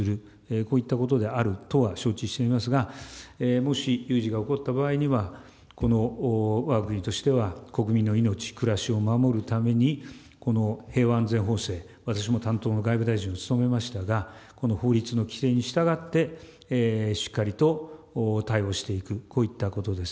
こういったことであるとは承知していますが、もし有事が起こった場合には、このわが国としては、国民の命、暮らしを守るために、この平和安全法制、私も担当の外務大臣を務めましたが、この法律の規定に従って、しっかりと対応していく、こういったことです。